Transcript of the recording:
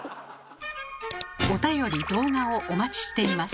おたより・動画をお待ちしています。